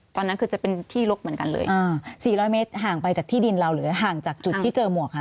ตอนนั้นคือจะเป็นที่ลกเหมือนกันเลย๔๐๐เมตรห่างไปจากที่ดินเราหรือห่างจากจุดที่เจอหมวกค่ะ